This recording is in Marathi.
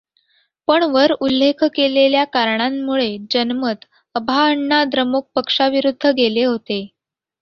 पण वर उल्लेख केलेल्या कारणांमुळे जनमत अभाअण्णाद्रमुक पक्षाविरुद्ध गेले होते.